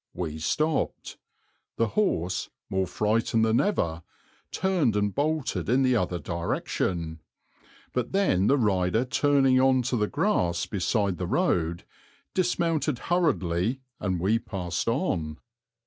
We stopped. The horse, more frightened than ever, turned and bolted in the other direction; but then the rider turning on to the grass beside the road, dismounted hurriedly and we passed on.